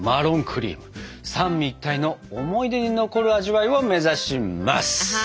クリーム三位一体の思い出に残る味わいを目指します！